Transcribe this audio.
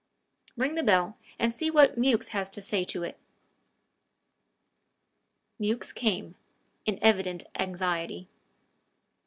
Ring the bell and see what Mewks has to say to it." Mewks came, in evident anxiety.